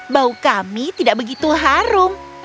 bau kami tidak begitu harum